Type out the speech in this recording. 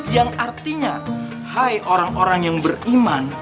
yang artinya hai orang orang yang beriman